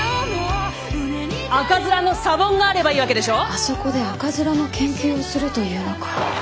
あそこで赤面の研究をすると言うのか。